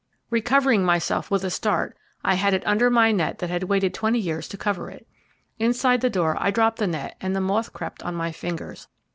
Recovering myself with a start, I had it under my net that had waited twenty years to cover it! Inside the door I dropped the net, and the moth crept on my fingers.